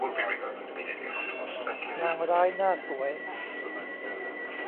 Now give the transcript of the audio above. นางร้ายหน้าสวย